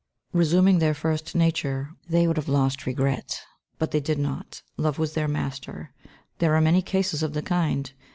Resuming their first nature they would have lost regret. But they did not. Love was their master. There are many cases of the kind.